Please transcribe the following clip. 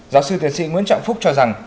giáo sư tiến sĩ nguyễn trọng phúc cho rằng